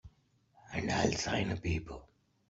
And I'll sign a paper.